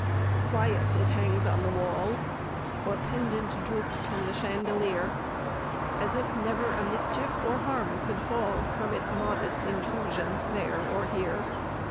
Quiet it hangs on the wall, Or pendent droops from the chandelier, As if never a mischief or harm could fall From its modest intrusion, there or here!